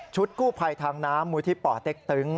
ชุดกู้ภัยทางน้ำมุฒิป่าเต็กตึง